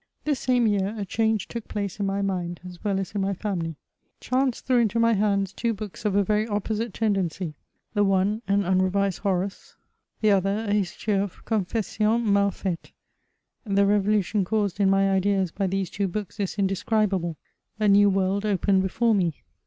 This same year a change took place in my mind, as well as in my family. Chance threw into my hands two books of a very opposite tendency ; the one, an unrevised Horace ; the 96 MEMOIRS OF other, a History of '' Coitfessions malfaiiea,^ The revolution caused in my ideas by these two books is indescribable. A new world opened before me.